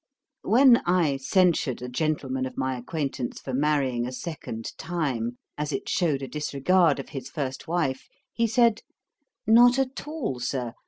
When I censured a gentleman of my acquaintance for marrying a second time, as it shewed a disregard of his first wife, he said, 'Not at all, Sir.